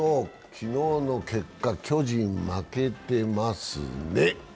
昨日の結果、巨人負けてますね。